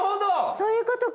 そういうことか。